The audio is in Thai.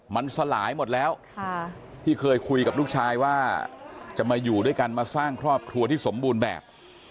มันสลายหมดแล้วที่เคยคุยกับลูกชายว่าจะมาอยู่ด้วยกันมาสร้างครอบครัวที่สมบูรณ์แบบ